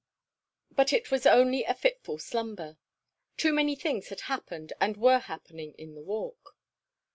But it was only a fitful slumber. Too many things had happened and were happening in the Walk.